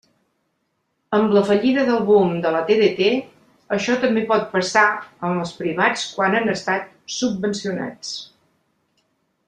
Amb la fallida del boom de la TDT això també pot passar amb els privats quan han estat subvencionats.